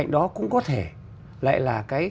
đó cũng có thể lại là cái